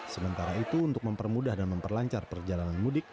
sementara itu untuk mempermudah dan memperlancar perjalanan mudik